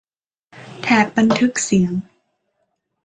แถบบันทึกเสียง